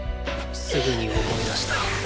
すぐに思い出した。